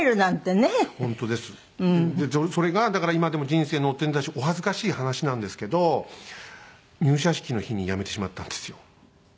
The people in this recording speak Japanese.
それがだから今でも人生の汚点だしお恥ずかしい話なんですけど入社式の日に辞めてしまったんですよ。